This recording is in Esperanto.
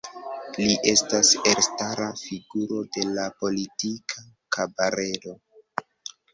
Li estas elstara figuro de la politika kabaredo.